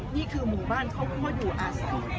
นี่คือหมู่บ้านเขาเพราะอยู่อาศัย